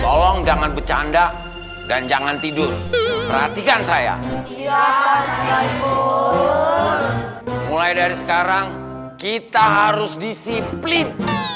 tolong jangan bercanda dan jangan tidur perhatikan saya mulai dari sekarang kita harus disiplin